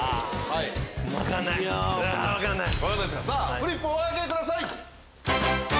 フリップお開けください！